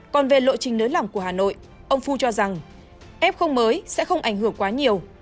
còn về lộ trình nới lỏng của hà nội ông fu cho rằng f không mới sẽ không ảnh hưởng quá nhiều